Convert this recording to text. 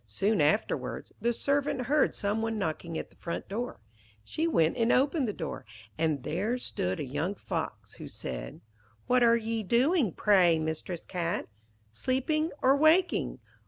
Soon afterwards, the servant heard some one knocking at the front door. She went and opened the door, and there stood a young Fox, who said 'What are ye doing, pray, Mistress Cat? Sleeping or waking?